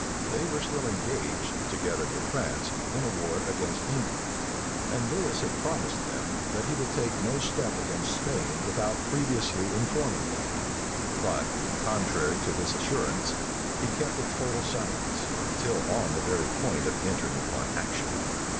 They were still engaged, together with France, in a war against England; and Lewis had promised them, that he would take no step against Spain without previously informing them: but, contrary to this assurance, he kept a total silence, till on the very point of entering upon action.